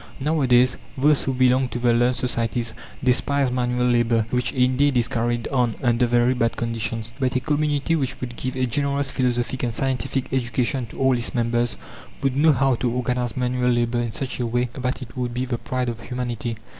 Nowadays, those who belong to the learned societies despise manual labour which indeed is carried on under very bad conditions; but a community which would give a generous philosophic and scientific education to all its members, would know how to organize manual labour in such a way that it would be the pride of humanity.